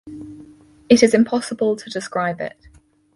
It is impossible to describe it.